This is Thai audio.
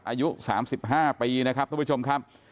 อายุ๓๕ปีนะครับทุกผู้ชมครับ